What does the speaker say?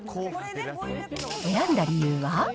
選んだ理由は。